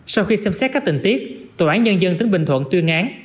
sau khi xem xét các tình tiết tổ án nhân dân tính bình thuận tuyên án